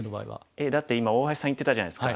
えっだって今大橋さん言ってたじゃないですか。